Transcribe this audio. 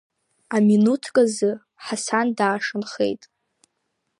Аминуҭк азы Ҳасан даашанхеит.